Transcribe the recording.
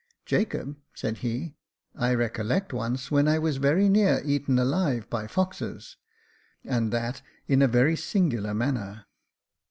"Jacob," said he, "I recollect once when I was very near eaten alive by foxes, and that in a very singular manner.